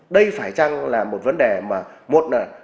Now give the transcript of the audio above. đây phải chăng là một vấn đề mà một là